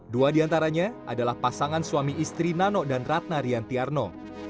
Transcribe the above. dua diantaranya adalah pasangan suami istri nano dan ratna riantiarno